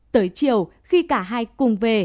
tới chiều khi cả hai cùng về